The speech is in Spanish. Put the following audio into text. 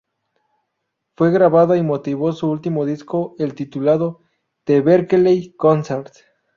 Fue grabada y motivó su último disco, el titulado "The Berkeley Concert".